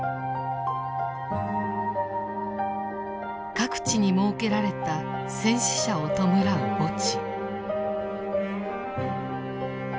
各地に設けられた戦死者を弔う墓地。